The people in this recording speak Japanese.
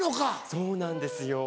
そうなんですよ。